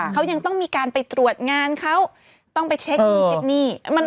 เขายังต้องมีการไปตรวจงานเขาต้องไปเช็คนู่นเช็คนี่